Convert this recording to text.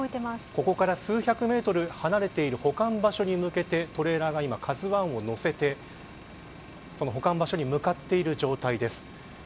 ここから数百メートル離れている保管場所に向けてトレーラーが今ＫＡＺＵ１をのせてその保管場所に向かっている状態です。